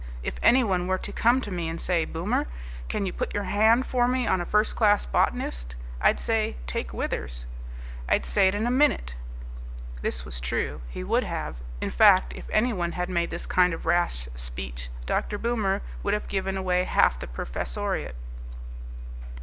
If anyone were to come to me and say, 'Boomer, can you put your hand for me on a first class botanist?' I'd say, 'Take Withers.' I'd say it in a minute." This was true. He would have. In fact, if anyone had made this kind of rash speech, Dr. Boomer would have given away half the professoriate.